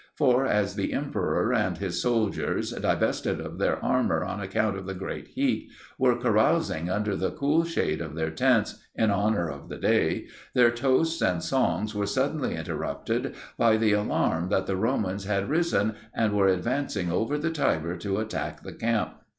For as the emperor and his soldiers, divested of their armour on account of the great heat, were carousing under the cool shade of their tents, in honor of the day, their toasts and songs were suddenly interrupted by the alarm that the Romans had risen, and were advancing over the Tiber to attack the camp.